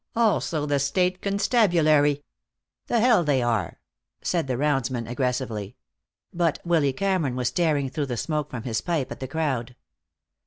Also the state constabulary." "The hell they are," said the roundsman aggressively. But Willy Cameron was staring through the smoke from his pipe at the crowd.